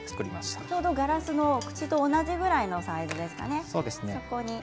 ちょうどガラスの縁と同じぐらいのサイズですかね。